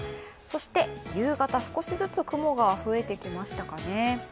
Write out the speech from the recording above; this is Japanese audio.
そして、夕方、少しずつ雲が増えてきましたかね。